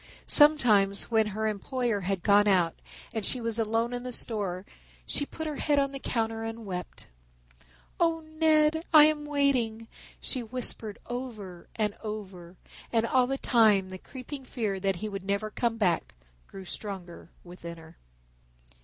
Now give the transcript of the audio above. Sometimes when her employer had gone out and she was alone in the store she put her head on the counter and wept. "Oh, Ned, I am waiting," she whispered over and over, and all the time the creeping fear that he would never come back grew stronger within her.